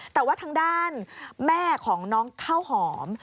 แต่ว่าทางด้านแม่ของน้องข้าวหอม